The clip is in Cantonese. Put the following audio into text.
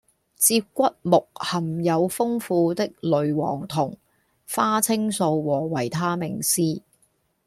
接骨木果含有豐富的類黃酮、花青素和維他命 C